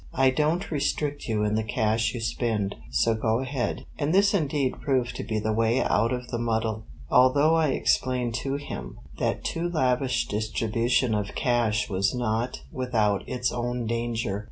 I don't restrict you in the cash you spend, so go ahead." And this indeed proved to be the way out of the muddle, although I explained to him that too lavish distribution of cash was not without its own danger.